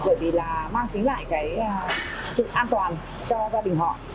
trước tiên là nhân dân rất đồng thuận bởi vì mang chính lại sự an toàn cho gia đình họ